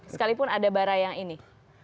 sekalipun ada bara yang ini